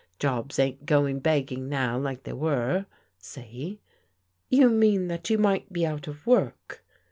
Jobs ain't going begging now like they were. See ?" "You mean that you might be out of work?"